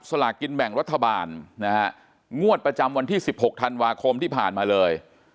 ลากินแบ่งรัฐบาลนะฮะงวดประจำวันที่๑๖ธันวาคมที่ผ่านมาเลย